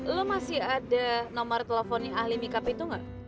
lu masih ada nomor teleponnya ahli mikap itu gak